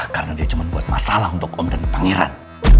karena dia cuma buat masalah untuk om dan pangeran